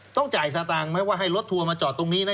ต้องจ่ายสตางค์ไหมว่าให้รถทัวร์มาจอดตรงนี้นะ